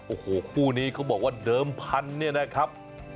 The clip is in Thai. โอ้โหคู่นี้เขาบอกว่าเดิมพันธุ์เนี่ยนะครับ